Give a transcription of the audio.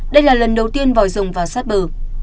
đây là lần đầu tiên vòi rồng vào sát bờ